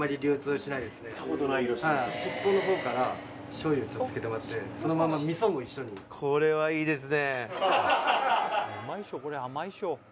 しっぽのほうから醤油つけてもらってそのまま味噌も一緒にこれはいいですね